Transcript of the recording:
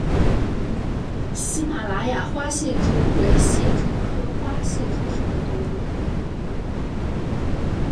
喜马拉雅花蟹蛛为蟹蛛科花蟹蛛属的动物。